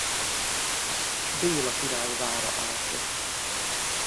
Béla király vára állt ott.